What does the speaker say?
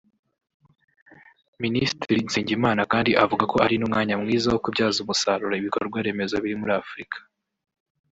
Minisitiri Nsengimana kandi avuga ko ari n’umwanya mwiza wo kubyaza umusaruro ibikorwa remezo biri muri Afurika